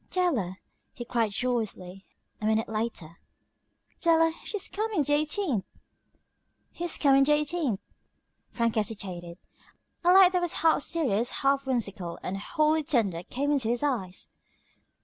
"Della," he cried joyously, a minute later, "Della, she's coming the eighteenth!" "Who's coming the eighteenth?" Frank hesitated. A light that was half serious, half whimsical, and wholly tender, came into his eyes.